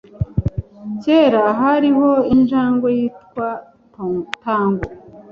Kera, hariho injangwe yitwaga Tango.